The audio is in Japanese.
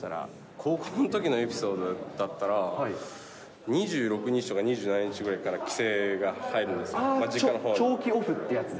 高校のときのエピソードだったら、２６日とか２７日ぐらいから帰省に入るんですよ、実家のほうで。